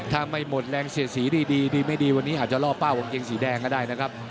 ถ้าไม่หมดแรงเสียดสีดีดีไม่ดีวันนี้อาจจะล่อเป้ากางเกงสีแดงก็ได้นะครับ